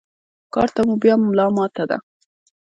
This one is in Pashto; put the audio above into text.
کار ته مو بيا ملا ماته ده.